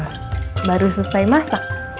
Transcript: saya baru selesai masak